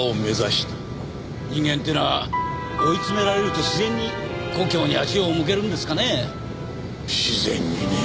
人間っていうのは追いつめられると自然に故郷に足を向けるんですかねえ？